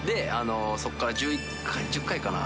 そこから１１回、１０回かな？